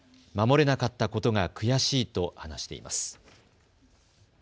守れなかったことが悔しいと話しています。